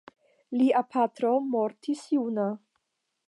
Lia patro mortis juna.